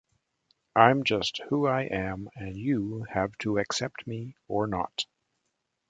I'm just who I am and you have to accept me or not.